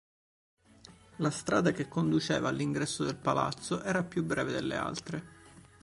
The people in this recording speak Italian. La strada che conduceva all'ingresso del palazzo era più breve delle altre.